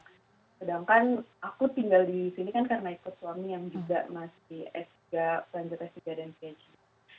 sedangkan aku tinggal di sini kan karena ikut suami yang juga masih sga selanjutnya sga dan psg